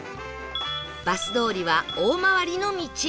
バス通りは大回りの道